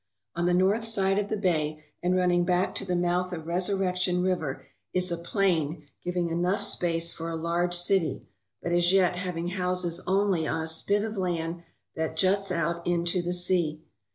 On the north side of the bay and running back to the mouth of Resurrection River is a plain giving enough space for a large city, but as yet having houses only on a spit of land that juts out into the sea.